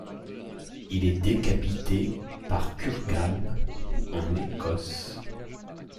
Il est décapité par Kurgan en Écosse.